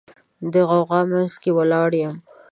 د غوغا منځ کې ولاړ یم